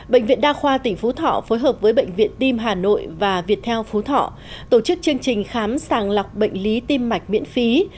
bệnh viện đa khoa tỉnh phú thọ phối hợp với bệnh viện tim hà nội và việt theo phú thọ tổ chức chương trình khám sàng lọc bệnh lý tim mạch miễn phí